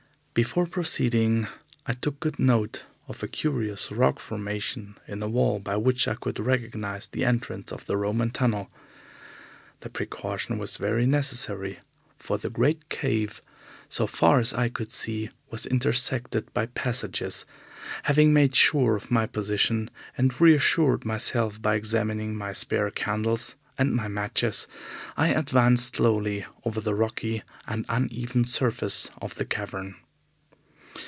Before proceeding, I took good note of a curious rock formation in the wall by which I could recognize the entrance of the Roman tunnel. The precaution was very necessary, for the great cave, so far as I could see it, was intersected by passages. Having made sure of my position, and reassured myself by examining my spare candles and my matches, I advanced slowly over the rocky and uneven surface of the cavern.